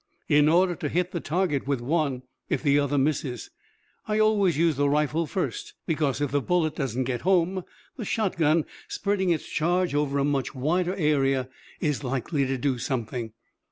"In order to hit the target with one, if the other misses. I always use the rifle first, because if the bullet doesn't get home the shotgun, spreading its charge over a much wider area, is likely to do something."